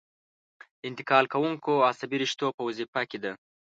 د انتقال کوونکو عصبي رشتو په وظیفه کې ده.